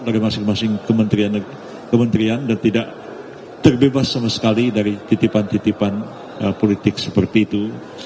dari masing masing kementerian dan tidak terbebas sama sekali dari titipan titipan politik seperti itu